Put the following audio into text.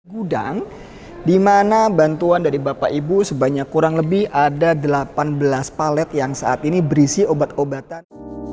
gudang di mana bantuan dari bapak ibu sebanyak kurang lebih ada delapan belas palet yang saat ini berisi obat obatan